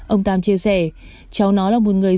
ông tam chia sẻ cháu nó là một người